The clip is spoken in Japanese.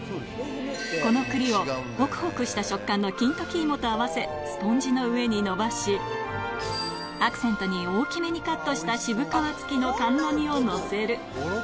この栗をほくほくした食感の金時芋と合わせスポンジの上にのばしアクセントに大きめにカットした渋皮付きの甘露煮をのせる